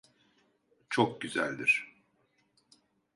Çok güzeldir.